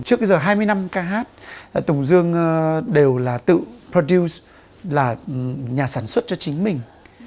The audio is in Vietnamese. trước bây giờ hai mươi năm ca hát tùng dương đều là tự pardiuse là nhà sản xuất cho chính mình